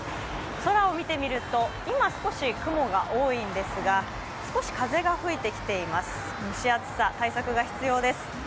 空を見てみると少し雲が多いんですが少し風が吹いてきています、蒸し暑さ、対策が必要です。